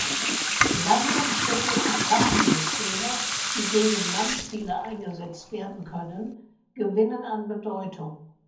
Landungsschiffe und Waffensysteme, die gegen Landziele eingesetzt werden können, gewinnen an Bedeutung.